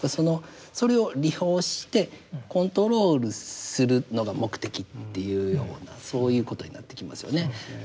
それを利用してコントロールするのが目的っていうようなそういうことになってきますよね。